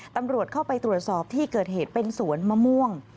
ตำรวจเข้าไปตรวจสอบที่เกิดเหตุเป็นสวนมะม่วง